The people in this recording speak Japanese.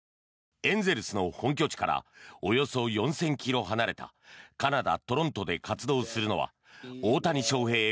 エンゼルスの本拠地からおよそ４０００ｋｍ離れたカナダ・トロントで活動するのは大谷翔平